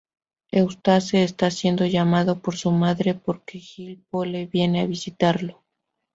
Eustace está siendo llamado por su madre, porque Jill Pole viene a visitarlo.